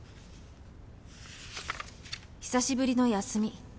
「久しぶりの休み。